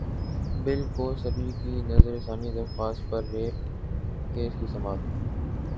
بل Cosby کی نظرثانی درخواست پر ریپ کیس کی سماعت